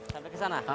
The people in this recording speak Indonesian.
sampai ke sana